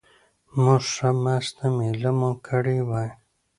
موږ ښه مسته مېله مو کړې وای.